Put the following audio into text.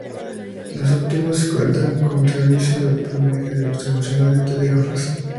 Las óptimas cuentan con servicio de optometría y distribución gratuita de gafas.